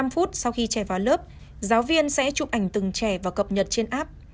năm phút sau khi trẻ vào lớp giáo viên sẽ chụp ảnh từng trẻ và cập nhật trên app